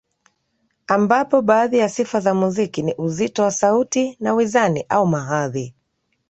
ambapo baadhi ya sifa za muziki ni uzito wa sauti na wizani au mahadhi